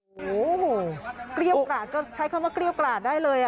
โอ้โหเกรี้ยวกราดก็ใช้คำว่าเกรี้ยวกราดได้เลย